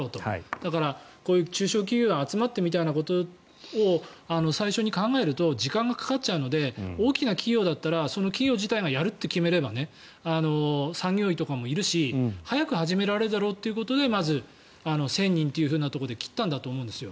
だからこういう中小企業が集まってみたいなことを最初に考えると時間がかかっちゃうので多いな企業だったら企業自体がやると決めれば産業医とかもいるし早く始められるだろうというところで１０００人というところで切ったんだと思うんですよ。